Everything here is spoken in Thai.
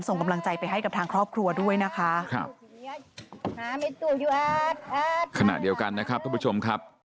ส่งกำลังใจไปให้กับทางครอบครัวด้วยนะคะ